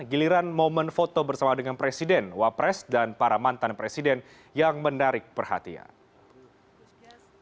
giliran momen foto bersama dengan presiden wapres dan para mantan presiden yang menarik perhatian